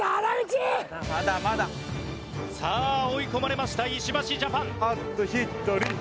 さあ追い込まれました石橋ジャパン。